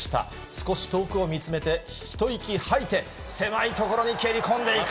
少し遠くを見つめて、一息吐いて、狭い所に蹴り込んでいく。